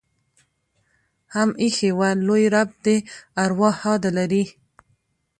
هم ایښي وه. لوى رب دې ارواح ښاده لري.